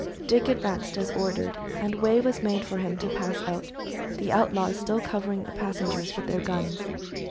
Dick advanced, as ordered, and way was made for him to pass out, the outlaws still covering the passengers with their guns.